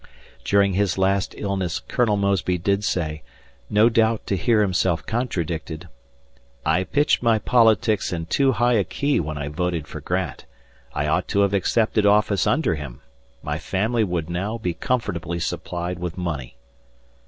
During his last illness Colonel Mosby did say, no doubt to hear himself contradicted, "I pitched my politics in too high a key when I voted for Grant. I ought to have accepted office under him. My family would now be comfortably supplied with money."